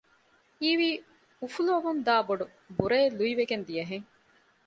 ހީވީ އުފުލަމުންދާ ބޮޑު ބުރައެއް ލުއިވެގެން ދިޔަ ހެން